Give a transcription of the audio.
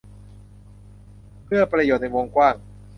เพื่อประโยชน์ในวงกว้าง